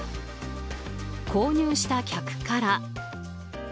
購入した客から。